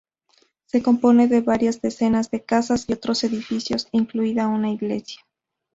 Se compone de varias decenas de casas y otros edificios, incluida una iglesia.